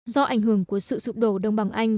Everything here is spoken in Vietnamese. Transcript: do ảnh hưởng của sự sụp đổ đông bằng anh